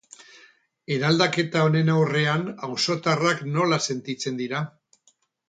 Eraldaketa honen aurrean auzotarrak nola sentitzen dira?